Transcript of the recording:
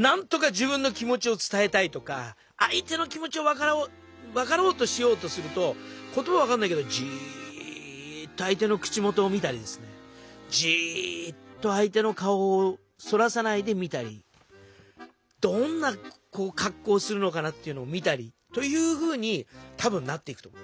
なんとか自分の気持ちを伝えたいとかあい手の気持ちを分かろうとしようとすると言葉は分かんないけどジーッとあい手の口元を見たりですねジーッとあい手の顔をそらさないで見たりどんなかっこうをするのかなっていうのを見たりというふうにたぶんなっていくと思う。